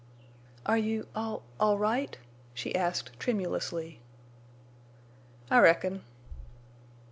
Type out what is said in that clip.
"Are you—all—all right?" she asked, tremulously. "I reckon."